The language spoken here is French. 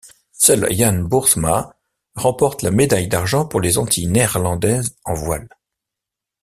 Seul Jan Boersma remporte la médaille d'argent pour les Antilles néerlandaises en voile.